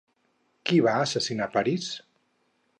Qui va assassinar Paris?